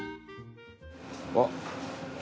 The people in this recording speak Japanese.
あっ！